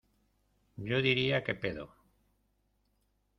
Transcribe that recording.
Yo diría que pedo.